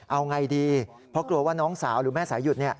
เอาไงดีเพราะกลัวว่าน้องสาวหรือแม่สายหยุด